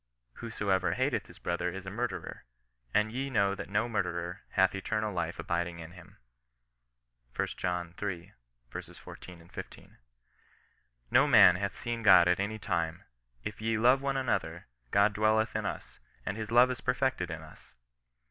Whosoever hateth his brother is a murderer, and ye know that no murderer hath eternal life abiding in him." lb. iii. 14, 16. " No man hath seen God at any time. If we love one another, God dwelleth in us, and his love is perfected in us."